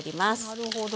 なるほど。